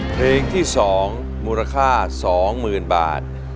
เพลงที่๒มูลค่า๒๐๐๐บาท